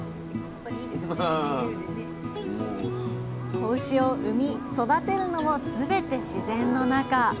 子牛を産み育てるのも全て自然の中。